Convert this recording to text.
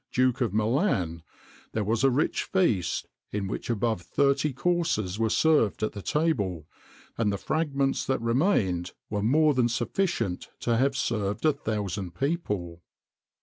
Duke of Milan, there was a rich feast, in which above thirty courses were served at the table, and the fragments that remained were more than sufficient to have served a thousand people."